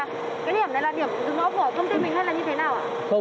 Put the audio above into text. cái điểm này là điểm dừng ốp của công ty mình hay là như thế nào ạ